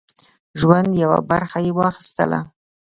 ژوند یوه برخه یې واخیستله.